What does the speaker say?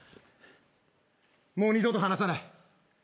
もう二度と離さない。